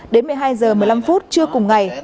đến một mươi hai h một mươi năm chưa cùng ngày